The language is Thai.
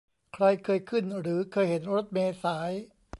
ใครเคยขึ้น หรือ เคยเห็นรถเมล์สาย